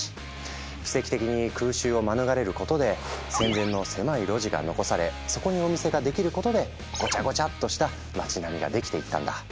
奇跡的に空襲を免れることで戦前の狭い路地が残されそこにお店ができることでごちゃごちゃっとした町並みができていったんだ。